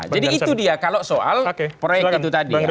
jadi itu dia soal proyek itu tadi